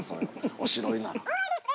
おしろいなら。